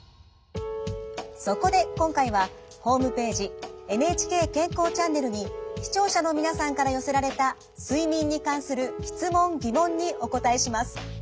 そこで今回はホームページ「ＮＨＫ健康チャンネル」に視聴者の皆さんから寄せられた睡眠に関する質問疑問にお答えします。